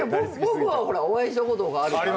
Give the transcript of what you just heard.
僕はお会いしたことがあるから。